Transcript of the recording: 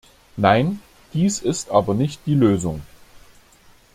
Nein, dies ist aber nicht die Lösung.